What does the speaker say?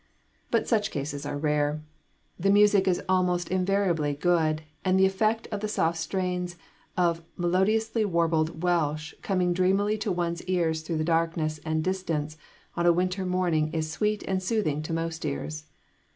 But such cases are rare. The music is almost invariably good, and the effect of the soft strains of melodiously warbled Welsh coming dreamily to one's ears through the darkness and distance on a winter morning is sweet and soothing to most ears.